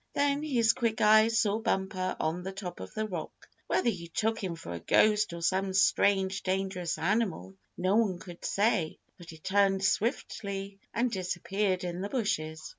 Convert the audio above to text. Then his quick eyes saw Bumper on the top of the rock. Whether he took him for a ghost or some strange, dangerous animal, no one could say; but he turned swiftly and disappeared in the bushes.